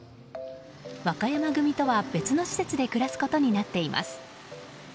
和歌山組とは別の施設で暮らすことになっています。